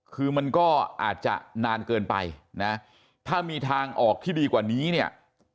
คือมันก็อาจจะนานเกินไปนะถ้ามีทางออกที่ดีกว่านี้เนี่ย